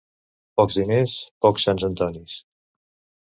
Pocs diners, pocs sants Antonis.